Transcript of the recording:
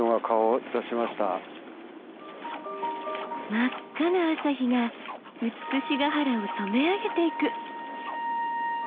真っ赤な朝日が美ヶ原を染め上げていく。